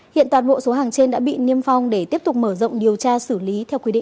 hiện toàn bộ số hàng trên đã bị niêm phong để tiếp tục mở rộng điều tra xử lý